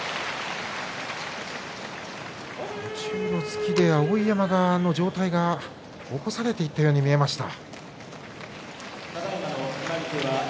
途中の突きで碧山の上体が起こされていったように見えました。